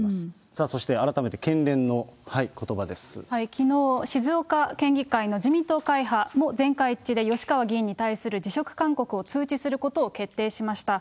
さあそして、改めて県連のことばきのう、静岡県議会の自民党会派も全会一致で、吉川議員に対する辞職勧告を通知することを決定しました。